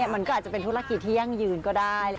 มันก็อาจจะเป็นธุรกิจที่ยั่งยืนก็ได้